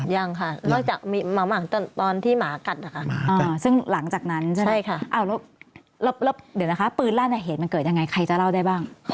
ยังค่ะนอกจากตอนที่หมากัดนะคะซึ่งหลังจากนั้นใช่ไหมคะแล้วเดี๋ยวนะคะปืนลั่นเหตุมันเกิดยังไงใครจะเล่าได้บ้าง